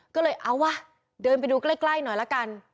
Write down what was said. ก็เลยเอาว่ะเดินไปดูใกล้หน่อยละกัน